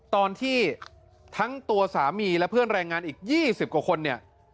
ตอนที่ทั้งตัวสามีและเพื่อนแรงงานอีก๒๐กว่าคนเนี่ย